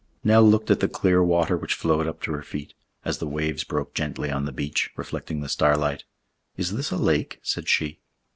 Nell looked at the clear water which flowed up to her feet, as the waves broke gently on the beach, reflecting the starlight. "Is this a lake?" said she.